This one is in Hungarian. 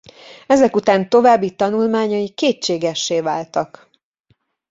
Ezek után további tanulmányai kétségessé váltak.